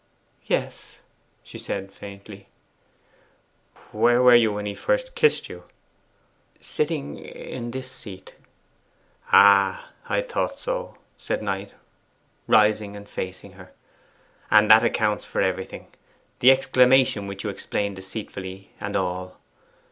'Yes,' she said faintly. 'Where were you when he first kissed you?' 'Sitting in this seat.' 'Ah, I thought so!' said Knight, rising and facing her. 'And that accounts for everything the exclamation which you explained deceitfully, and all!